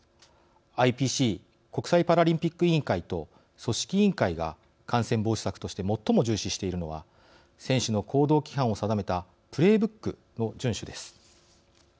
ＩＰＣ＝国際パラリンピック委員会と組織委員会が感染防止策として最も重視しているのは選手の行動規範を定めたプレーブックの順守です。